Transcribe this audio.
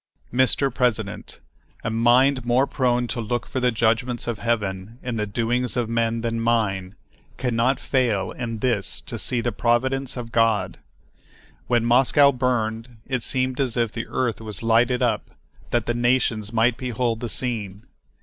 Mr. President, a mind more prone to look for the judgments of heaven in the doings of men than mine, can not fail in this to see the providence of God. When Moscow burned, it seemed as if the earth was lighted up that the nations might behold the scene.